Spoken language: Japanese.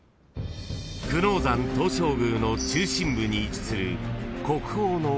［久能山東照宮の中心部に位置する国宝の］